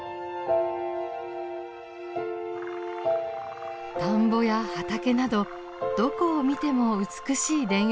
田んぼや畑などどこを見ても美しい田園風景が広がっています。